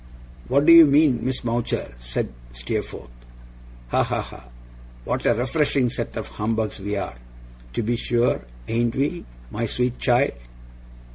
'What do you mean, Miss Mowcher?' said Steerforth. 'Ha! ha! ha! What a refreshing set of humbugs we are, to be sure, ain't we, my sweet child?